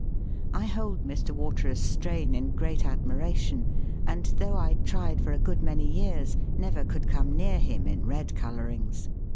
I hold Mr. Waterer's strain in great admiration, and, though I tried for a good many years, never could come near him in red colourings.